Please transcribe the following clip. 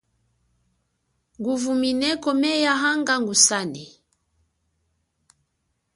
Nguvumineko meya hanga ngusane.